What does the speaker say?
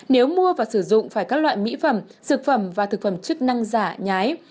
nếu mua và sử dụng phải các loại mỹ phẩm dược phẩm và thực phẩm chức năng giả nhái